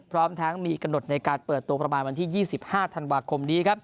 พร้อมทั้งกระโนทในการเปิดตัวประมาณวันที่๒๕ธันวาคม